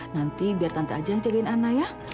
nanti biar tante aja yang jagain anda ya